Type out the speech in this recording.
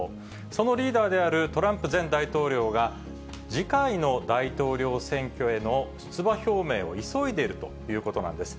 そのリーダーであるトランプ前大統領が、次回の大統領選挙への出馬表明を急いでいるということなんです。